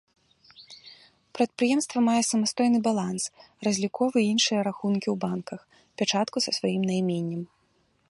Прадпрыемства мае самастойны баланс, разліковы і іншыя рахункі ў банках, пячатку са сваім найменнем.